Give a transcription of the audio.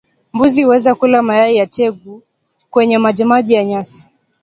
Mbuzi huweza kula mayai ya tegu kwenye majimaji na nyasi